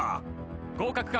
合格か？